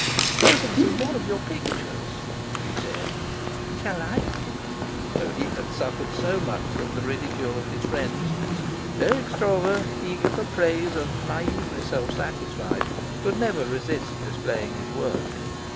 "Show him some more of your pictures," she said. "Shall I?" Though he had suffered so much from the ridicule of his friends, Dirk Stroeve, eager for praise and naively self satisfied, could never resist displaying his work.